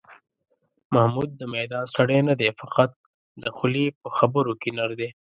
محمود د میدان سړی نه دی، فقط د خولې په خبرو کې نر دی.